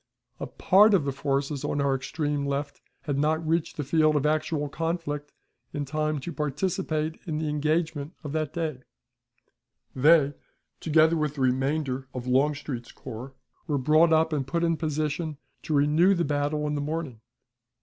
A part of the forces on our extreme left had not reached the field of actual conflict in time to participate in the engagement of that day; they, together with the remainder of Longstreet's corps, were brought up and put in position to renew the battle in the morning.